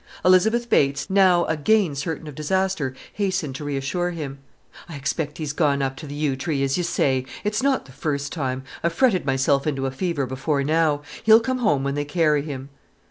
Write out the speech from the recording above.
Elizabeth Bates, now again certain of disaster, hastened to reassure him: "I expect 'e's gone up to th' 'Yew Tree', as you say. It's not the first time. I've fretted myself into a fever before now. He'll come home when they carry him."